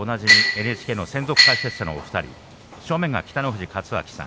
ＮＨＫの専属解説者のお二人正面が北の富士勝昭さん